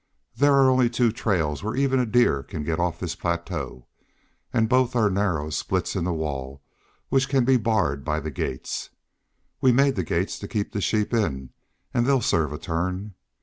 There are only two trails where even a deer can get off this plateau, and both are narrow splits in the wall, which can be barred by the gates. We made the gates to keep the sheep in, and they'll serve a turn.